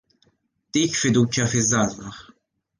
Dik fiduċja fiż-żgħażagħ!